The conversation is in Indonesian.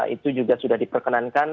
itu juga sudah diperkenankan